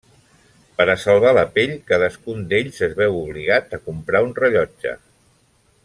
Per a salvar la pell, cadascun d'ells es veu obligat a comprar un rellotge.